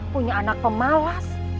punya anak pemalas